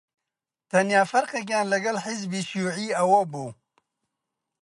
تەنیا فەرقێکیان لەگەڵ حیزبی شیووعی ئەوە بوو: